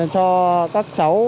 cho các cháu